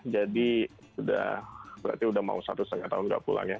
jadi berarti udah mau satu setengah tahun gak pulang ya